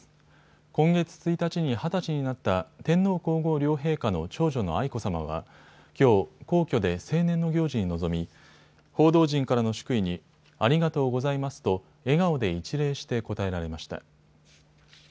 今月１日に二十歳になった天皇皇后両陛下の長女の愛子さまはきょう、皇居で成年の行事に臨み報道陣からの祝意にありがとうございますと笑顔で一礼して応えられました。